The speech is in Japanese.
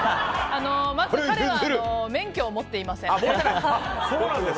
まず、彼は免許を持っていません。